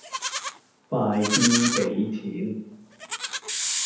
快啲俾錢